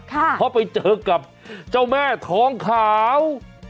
ค่ะพอไปเจอกับเจ้าแม่ท้องขาว